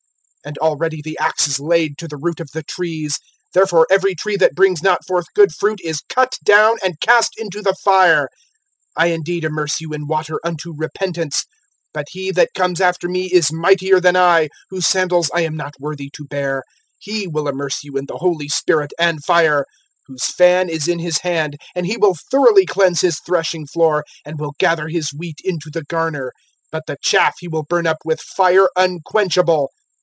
(10)And already the axe is laid to the root of the trees; therefore every tree that brings not forth good fruit is cut down, and cast into the fire. (11)I indeed immerse you in water unto repentance; but he that comes after me is mightier than I, whose sandals I am not worthy to bear; he will immerse you in the Holy Spirit and fire; (12)whose fan is in his hand, and he will thoroughly cleanse his threshing floor, and will gather his wheat into the garner; but the chaff he will burn up with fire unquenchable.